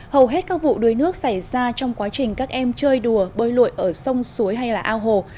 hầu hết các vụ đuối nước xảy ra trong quá trình các em chơi đùa bơi lội ở sông suối hay là ao hồ